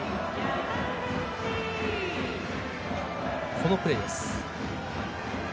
このプレーです。